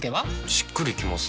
しっくりきません。